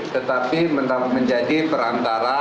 tetapi menjadi perantara